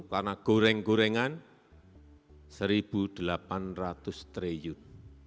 karena goreng gorengan rp satu delapan ratus triliun